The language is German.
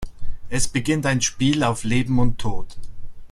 Es beginnt ein Spiel auf Leben und Tod.